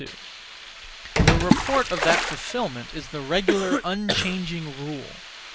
The report of that fulfilment is the regular, unchanging rule.